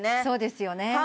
そうですよね